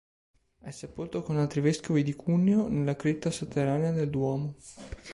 È sepolto con altri vescovi di Cuneo nella cripta sotterranea del duomo.